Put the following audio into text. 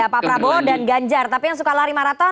pak prabowo dan ganjar tapi yang suka lari maraton